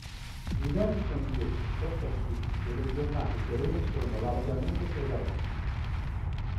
Gli inverni sono invece piuttosto asciutti e le giornate serene sono largamente prevalenti.